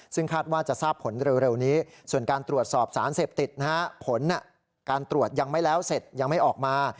ซึ่งคาดว่าจะทราบผลเร็วนี้ส่วนการตรวจสอบสารเสพติดนะฮะผลการตรวจยังไม่แล้วเสร็จยังไม่ออกมา